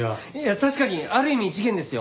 確かにある意味事件ですよ。